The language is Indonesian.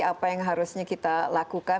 apa yang harusnya kita lakukan